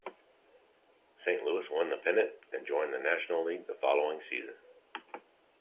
Saint Louis won the pennant and joined the National League the following season.